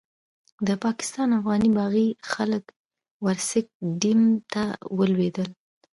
د پاکستان افغاني باغي خلک ورسک ډېم ته ولوېدل.